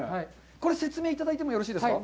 これ説明いただいてもよろしいですか。